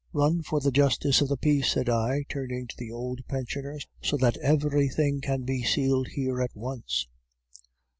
"'Run for the justice of the peace,' said I, turning to the old pensioner, 'so that everything can be sealed here at once.